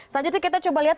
selanjutnya kita coba lihat